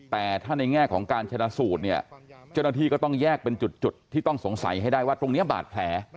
แต่ถ้าในแง่ของการชนะสูตรเนี่ยเจ้าหน้าที่ก็ต้องแยกเป็นจุดที่ต้องสงสัยให้ได้ว่าตรงนี้บาดแผล